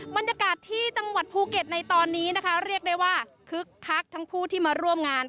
บรรยากาศที่จังหวัดภูเก็ตในตอนนี้นะคะเรียกได้ว่าคึกคักทั้งผู้ที่มาร่วมงาน